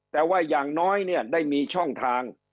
แต่ว่าอย่างน้อยเนี่ยได้มีช่องทาง